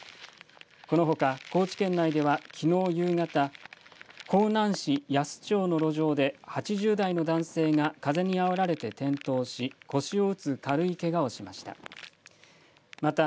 このほか高知県内ではきのう夕方、香南市夜須町の路上で８０代の男性が風にあおられて転倒し腰を打つ軽いけがをしました。